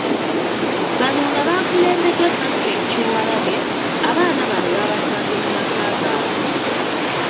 Bano nga bakulembeddwa Patrick Kyewalabye, abaana bano baabasanze mu maka gaabwe .